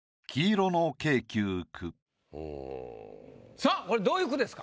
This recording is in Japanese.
さぁこれどういう句ですか？